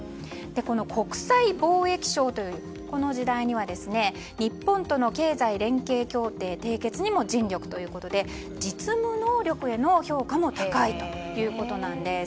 この国際貿易相という時代には日本との経済連携協定締結にも尽力しまして実務能力の評価も高いということです。